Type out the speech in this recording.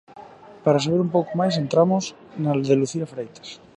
Para saber un pouco máis entramos na de Lucía Freitas.